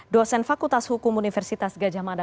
dosen fakultas hukum universitas gajah mada